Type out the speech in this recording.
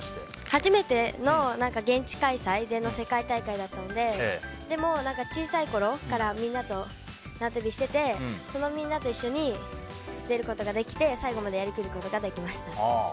初めての現地開催での世界大会だったので小さいころからみんなと縄跳びしててそのみんなと一緒に出ることができて最後までやりきることができました。